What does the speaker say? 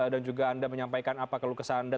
dan juga anda menyampaikan apa kelukisan anda